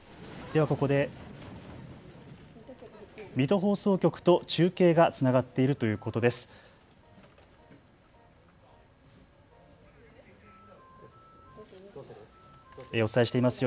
ではここで水戸放送局と中継がつながっているということです。